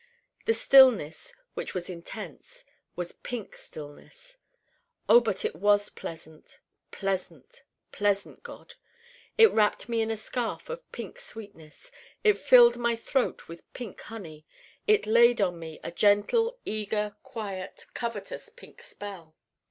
The stillness, which was intense, was Pink stillness. O but it was pleasant, pleasant, pleasant, God it wrapped me in a scarf of Pink sweetness: it filled my throat with Pink honey: it laid on me a gentle eager quiet covetous Pink spell.